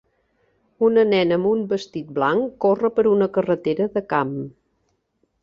Una nena amb un vestit blanc corre per una carretera de camp.